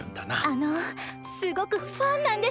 あのすごくファンなんです。